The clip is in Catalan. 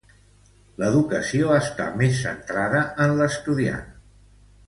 L'educació està més centrada en l'estudiant.